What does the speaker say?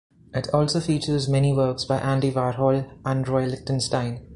It also features many works by Andy Warhol and Roy Lichtenstein.